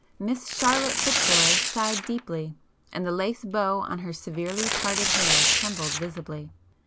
Miss Charlotte Fitzroy sighed deeply, and the lace bow on her severely parted hair trembled visibly.